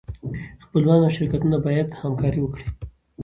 خپلوان او شرکتونه باید همکاري وکړي.